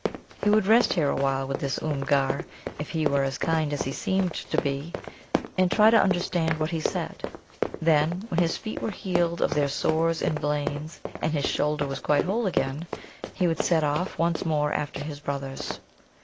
He would rest here awhile with this Oomgar, if he were as kind as he seemed to be, and try to understand what he said. Then, when his feet were healed of their sores and blains, and his shoulder was quite whole again, he would set off once more after his brothers.